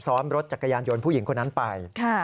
ซ้อนรถจักรยานยนต์ผู้หญิงคนนั้นไป